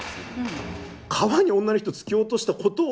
川に女の人突き落としたことを厄が落ちた。